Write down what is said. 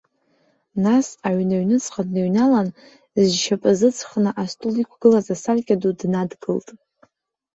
Нас, аҩны аҩныҵҟа дныҩналан, зшьапы зыҵхны астол иқәгылаз асаркьа ду днадгылт.